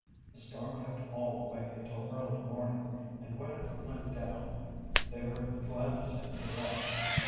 The storm kept all awake until early morning and when it went down they were glad to sink to rest.